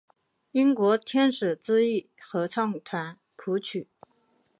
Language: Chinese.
英国天使之翼合唱团谱曲。